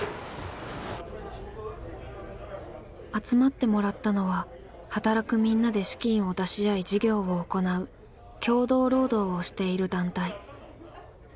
集まってもらったのは働くみんなで資金を出し合い事業を行う協同労働をしている団体。